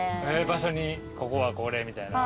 場所にここはこれみたいな？